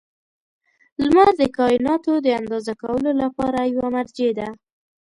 • لمر د کایناتو د اندازه کولو لپاره یوه مرجع ده.